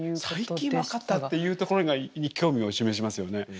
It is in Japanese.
最近分かったっていうところに興味を示しますよね。